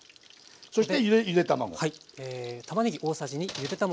そしてゆで卵。